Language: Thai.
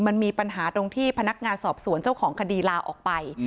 มันมีปัญหาตรงที่พนักงานสอบสวนเจ้าของคดีลาออกไป